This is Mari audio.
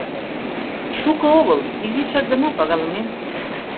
— Шуко огыл, изишак гына, пагалымем.